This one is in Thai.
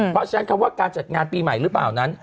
เพราะฉะนั้นคำว่าการจัดงานปีใหม่หรือเปล่านั้น